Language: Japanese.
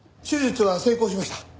手術は成功しました。